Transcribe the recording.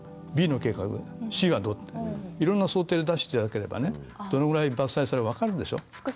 Ｂの計画、Ｃはどう？っていろんな想定で出していただければ、どのぐらい伐採するか分かるでしょ。